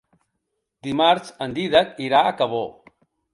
Dimarts en Dídac irà a Cabó.